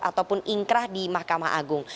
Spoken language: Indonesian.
ataupun ingkrah di mahkamah agung